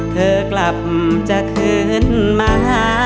เธอกลับจะคืนมาหา